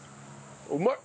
うまい！